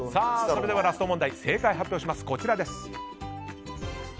それではラスト問題正解はこちらです。